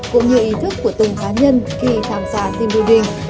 cũng như ý thức của tùng cá nhân khi tham gia team building